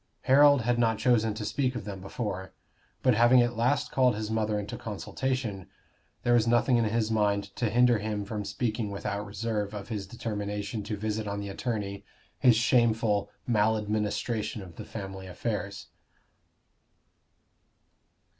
Harold had not chosen to speak of them before; but having at last called his mother into consultation, there was nothing in his mind to hinder him from speaking without reserve of his determination to visit on the attorney his shameful maladministration of the family affairs.